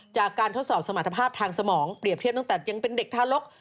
ทดสอบสมรรถภาพทางสมองเปรียบเทียบตั้งแต่ยังเป็นเด็กทารก